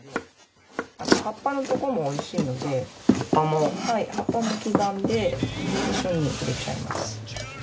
葉っぱのところもおいしいので葉っぱも刻んで一緒に入れちゃいます。